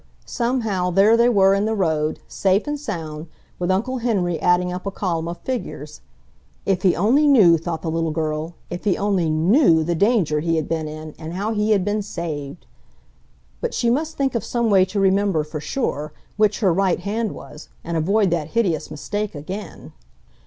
somehow there they were in the road, safe and sound, with Uncle Henry adding up a column of figures. If he only knew, thought the little girl, if he only KNEW the danger he had been in, and how he had been saved...! But she must think of some way to remember, for sure, which her right hand was, and avoid that hideous mistake again.